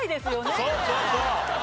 そうそうそう。